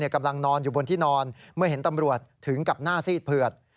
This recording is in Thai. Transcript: กำลังนอนอยู่บนที่นอนเมื่อเห็นตำรวจถึงกับหน้าซีดเผือด